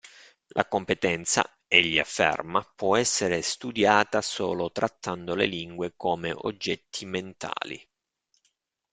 La competenza, egli afferma, può essere studiata solo trattando le lingue come oggetti mentali.